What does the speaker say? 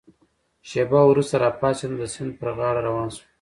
شېبه وروسته را پاڅېدم، د سیند پر غاړه روان شوم.